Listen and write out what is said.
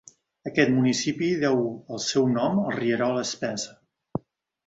Aquest municipi deu el seu nom al rierol Spencer.